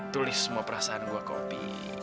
tulis semua perasaan gue ke opi